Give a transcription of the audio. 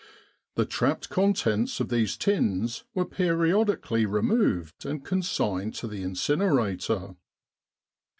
The trapped contents of these tins were periodically removed and consigned to the incinerator.